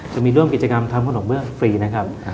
จะมีร่วมกิจกรรมทำขนมเบื้องฟรีนะครับ